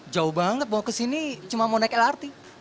jauh banget mau ke sini cuma mau naik lrt